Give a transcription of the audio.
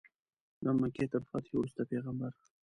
د مکې تر فتحې وروسته پیغمبر.